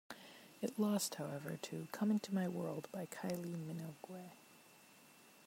It lost, however, to "Come into My World" by Kylie Minogue.